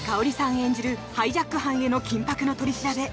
演じるハイジャック犯への緊迫の取り調べ。